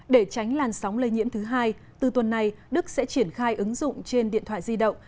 để tránh làn sóng lây nhiễm thứ hai từ tuần này đức sẽ triển khai ứng dụng trên điện thoại di động